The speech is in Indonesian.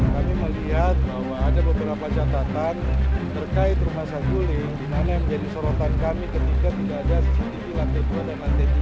kami melihat bahwa ada beberapa catatan terkait rumah saguling di mana yang menjadi sorotan kami ketika tidak ada cctv lantai dua dan lantai tiga